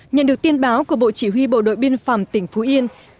nhận được tin báo của bộ chỉ huy bộ đội biên phòng tỉnh phú yên